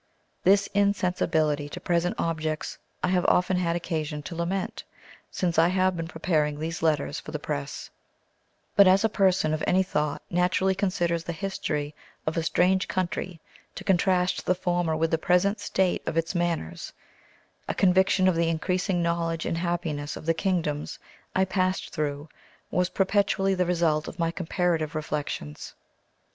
This insensibility to present objects I have often had occasion to lament since I have been preparing these letters for the press; but, as a person of any thought naturally considers the history of a strange country to contrast the former with the present state of its manners, a conviction of the increasing knowledge and happiness of the kingdoms I passed through was perpetually the result of my comparative reflections.